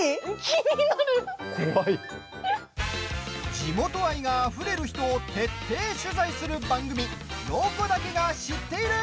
地元愛があふれる人を徹底取材する番組「ロコだけが知っている」。